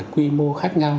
quy mô khác nhau